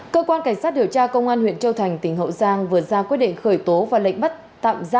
cơ quan cảnh sát điều tra công an huyện châu thành tỉnh hậu giang vừa ra quyết định khởi tố và lệnh bắt